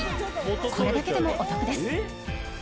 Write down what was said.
これだけでもお得です。